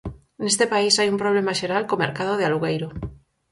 Neste país hai un problema xeral co mercado de alugueiro.